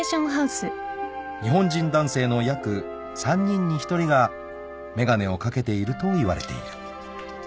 ［日本人男性の約３人に１人が眼鏡を掛けているといわれている］